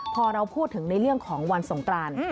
พอเราพูดถึงในเรื่องของวันสงกราน